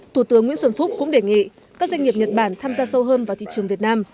thủ tướng nguyễn xuân phúc cũng đề nghị các doanh nghiệp nhật bản tham gia sâu hơn vào thị trường việt nam